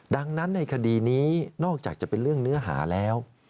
ดังนั้นในคดีนี้นอกจากจะเป็นเรื่องเนื้อหาแล้ว